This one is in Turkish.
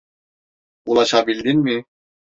Ulaşabildin mi?